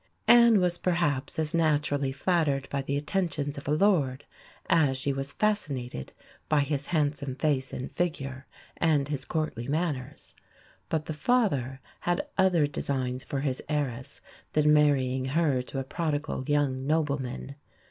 Anne was perhaps as naturally flattered by the attentions of a lord as she was fascinated by his handsome face and figure and his courtly manners; but the father had other designs for his heiress than marrying her to a prodigal young nobleman.